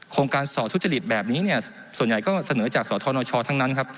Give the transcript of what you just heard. การสอทุจริตแบบนี้เนี่ยส่วนใหญ่ก็เสนอจากสธนชทั้งนั้นครับ